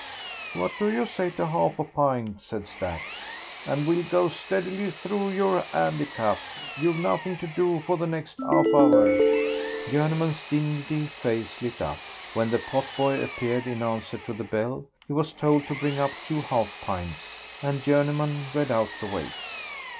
"What do you say to 'alf a pint," said Stack, "and we'll go steadily through your 'andicap? You've nothing to do for the next 'alf hour." Journeyman's dingy face lit up. When the potboy appeared in answer to the bell he was told to bring up two half pints, and Journeyman read out the weights.